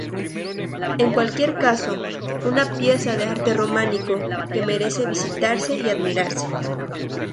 En cualquier caso, una pieza de arte románico que merece visitarse y admirarse.